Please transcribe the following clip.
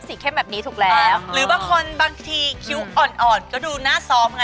ไม่เอาเดี๋ยวหน้าไปควบความ